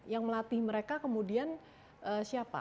yang melatih mereka kemudian siapa